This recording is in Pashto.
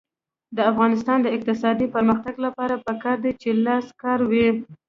د افغانستان د اقتصادي پرمختګ لپاره پکار ده چې لاسي کار وي.